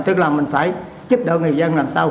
tức là mình phải giúp đỡ người dân làm sao